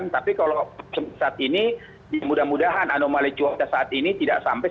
tapi kalau saat ini mudah mudahan anomali cuaca saat ini tidak sampai